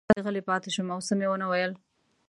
زه همداسې غلی پاتې شوم او څه مې ونه ویل.